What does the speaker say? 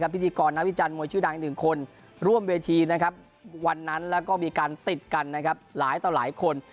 พิธีกรนักวิจันทวยชื่อดังอีกหนึ่งคนร่วมเวทีนะครับวันนั้นแล้วก็มีการติดกันนะครับหลายต่อหลายคน